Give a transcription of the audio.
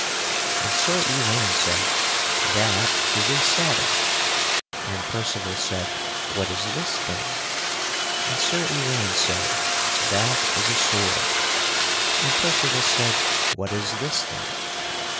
And Sir Ewaine said, "That is a saddle." And Percival said, "What is this thing?" And Sir Ewaine said, "That is a sword." And Percival said, "What is this thing?"